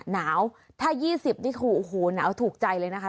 หนาวถ้ายี่สิบนี่โอ้โหหนาวถูกใจเลยนะคะ